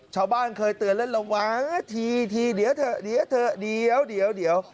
ชาวบ้านเคยเตือนแล้วระวังทีเดี๋ยวเถอะเดี๋ยวเถอะเดี๋ยว